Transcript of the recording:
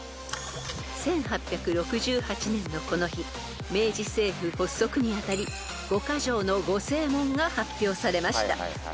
［１８６８年のこの日明治政府発足に当たり五箇条の御誓文が発表されました］